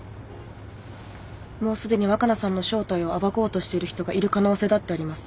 もうすでに若菜さんの正体を暴こうとしている人がいる可能性だってあります。